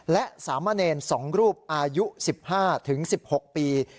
และสามเณร๒รูปอายุ๑๕๑๖ปี